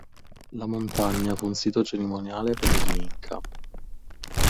La montagna fu un sito cerimoniale per gli Inca.